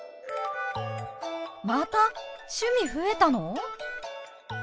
また趣味増えたの！？